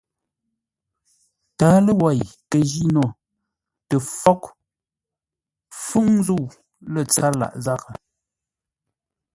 Tǎalo wei kə jíno tə fwóghʼ fúŋ zə̂u lə́ tsâr lâʼ zághʼə.